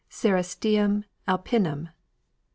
Cerastium alpinum, L.